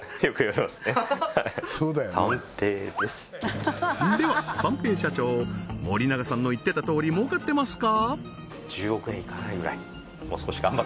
そうですでは三瓶社長森永さんの言ってたとおり儲かってますか？